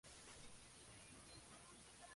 Esta condición puede persistir durante años.